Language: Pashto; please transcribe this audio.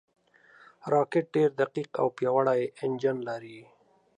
راکټ ډېر دقیق او پیاوړی انجن لري